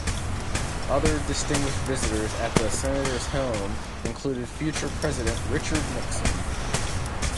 Other distinguished visitors at the senator's home included future President Richard Nixon.